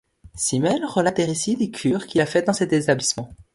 Simmel relate des récits des cures qu'il a faites dans cet établissement.